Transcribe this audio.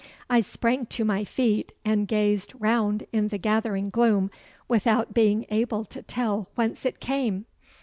I sprang to my feet and gazed round in the gathering gloom without being able to tell whence it came.